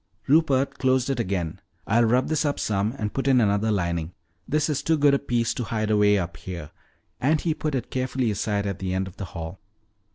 Rupert closed it again. "I'll rub this up some and put in another lining. This is too good a piece to hide away up here," and he put it carefully aside at the end of the hall.